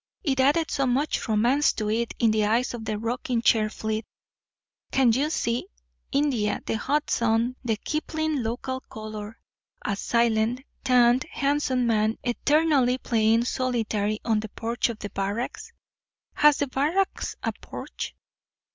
It added so much romance to it in the eyes of the rocking chair fleet. Can't you see India the hot sun the Kipling local color a silent, tanned, handsome man eternally playing solitaire on the porch of the barracks? Has the barracks a porch?"